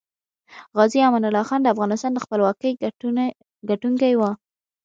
غازي امان الله خان دافغانستان دخپلواکۍ ګټونکی وه